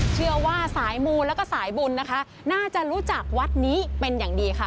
เชื่อว่าสายมูลแล้วก็สายบุญนะคะน่าจะรู้จักวัดนี้เป็นอย่างดีค่ะ